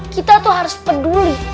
kita tuh harus peduli